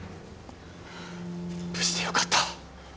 無事でよかった。